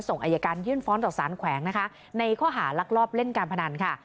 อายการยื่นฟ้องต่อสารแขวงนะคะในข้อหารักลอบเล่นการพนันค่ะ